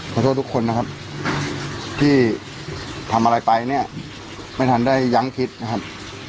ขอโทษทุกคนนะครับที่ทำอะไรไปเนี่ยไม่ทันได้ยั้งคิดนะครับ